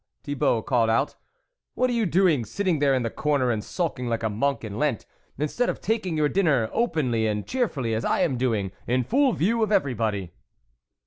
" Thibault called out, " what are you doing sitting there in the corner, and sulking like a Monk in Lent, instead of taking your dinner openly and cheerfully as I am doing, in full view of everybody